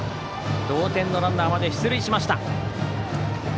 同点のランナーまで出塁しました。